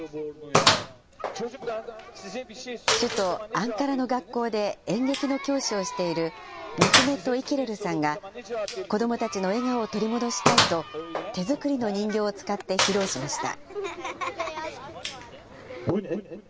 首都アンカラの学校で演劇の教師をしているメフメト・イキレルさんが、子どもたちの笑顔を取り戻したいと、手作りの人形を使って披露しました。